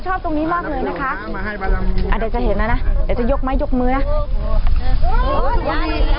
ตรงนี้มากเลยนะคะเดี๋ยวจะเห็นแล้วนะเดี๋ยวจะยกไม้ยกมือนะ